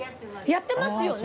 やってますよね！